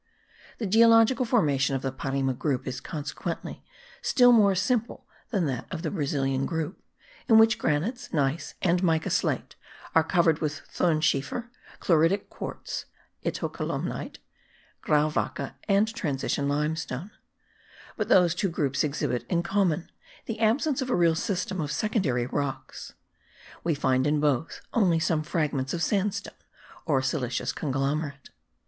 The geological formation of the Parime group is consequently still more simple than that of the Brazilian group, in which granites, gneiss and mica slate are covered with thonschiefer, chloritic quartz (Itacolumite), grauwacke and transition limestone; but those two groups exhibit in common the absence of a real system of secondary rocks; we find in both only some fragments of sandstone or silicious conglomerate.